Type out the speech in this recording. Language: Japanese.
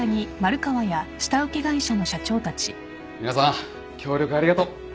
皆さん協力ありがとう。